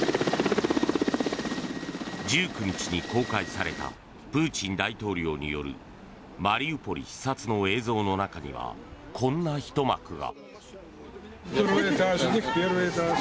１９日に公開されたプーチン大統領によるマリウポリ視察の映像の中にはこんなひと幕が。